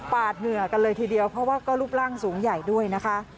เหงื่อกันเลยทีเดียวเพราะว่าก็รูปร่างสูงใหญ่ด้วยนะคะ